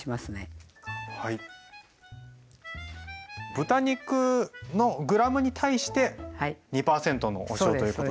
豚肉のグラムに対して２％のお塩ということで。